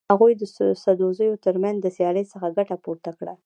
هغوی د سدوزیو تر منځ د سیالۍ څخه ګټه پورته کړه.